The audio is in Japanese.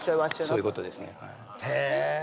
そういうことですねへえ